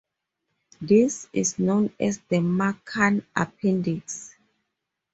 This is known as the "Markan Appendix".